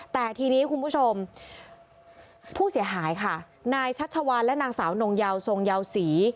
แต่ทีนี้คุณผู้ชมผู้เสียหายค่ะนายชัชวานและนางสาวนงเยาวทรงยาวศรี